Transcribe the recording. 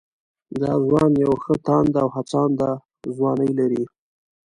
دا ځوان يوه ښه تانده او هڅانده ځواني لري